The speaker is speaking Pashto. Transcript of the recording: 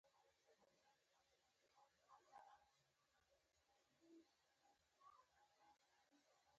• زړور سړی له هېڅ شي نه وېرېږي.